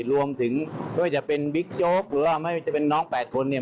รวมถึงไม่ว่าจะเป็นบิ๊กโชคหรือว่าจะเป็นน้องแปดคนเนี่ย